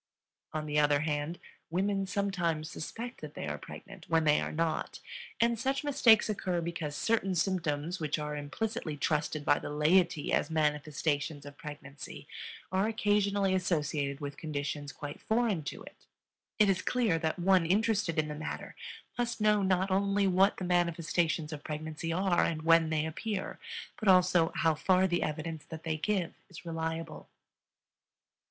On the other hand, women sometimes suspect that they are pregnant when they are not; and such mistakes occur because certain symptoms which are implicitly trusted by the laity as manifestations of pregnancy are occasionally associated with conditions quite foreign to it. It is clear that one interested in the matter must know not only what the manifestations of pregnancy are and when they appear, but also how far the evidence that they give is reliable.